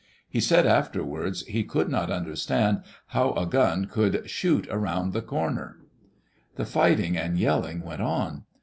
He said afterwards he could not understand how a gun could '' shoot around the corner.'' The fighting and yelling went on.